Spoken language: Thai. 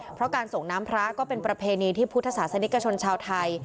เพราะการส่งน้ำพระก็เป็นประเพณีที่พุทธศาสนิกชนชาวไทย